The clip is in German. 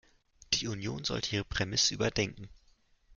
Die Union sollte ihre Prämisse überdenken.